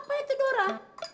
apa itu dora